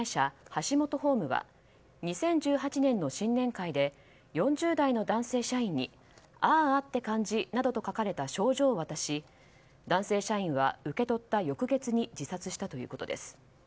ハシモトホームは２０１８年の新年会で４０代の男性社員に「あーあって感じ」などと書かれた賞状を渡し男性社員は受け取った翌月に自殺したということです。